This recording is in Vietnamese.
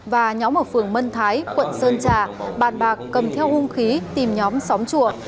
và nhóm ở phường mân thái quận sơn trà bàn bạc cầm theo hung khí tìm nhóm xóm chùa